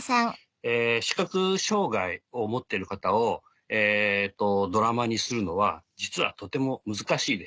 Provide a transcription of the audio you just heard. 視覚障がいを持ってる方をドラマにするのは実はとても難しいです。